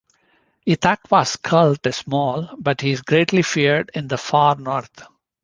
Ithaqua's cult is small, but he is greatly feared in the far north.